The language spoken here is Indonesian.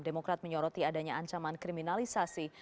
demokrat menyoroti adanya ancaman kriminalisasi